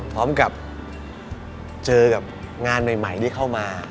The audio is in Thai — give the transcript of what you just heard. พร้อมเจอกับงานใหม่ได้เข้ามา